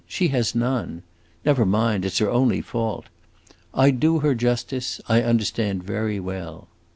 She has none. Never mind; it 's her only fault. I do her justice; I understand very well."